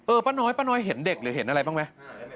ป้าน้อยป้าน้อยเห็นเด็กหรือเห็นอะไรบ้างไหม